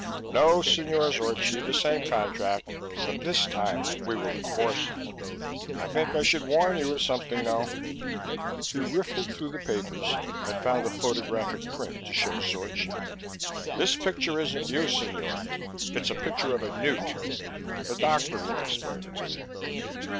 "No, Signore Zorchi. The same contract, but this time we will enforce it. I think I should warn you of something, though." He riffled through the papers and found a photographic print to show Zorchi. "This picture isn't you, Signore. It is a picture of a newt. The doctor will explain it to you."